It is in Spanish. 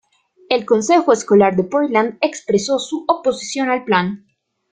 El Consejo escolar de Portland expresó su oposición al plan.